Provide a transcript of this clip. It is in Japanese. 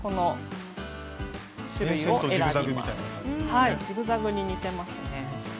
はいジグザグに似てますね。